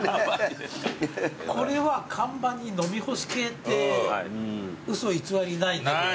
これは看板に飲みほし系って嘘偽りないね。